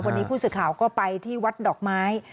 วันนี้ผู้สื่อข่าวก็ไปที่วัดดอกไม้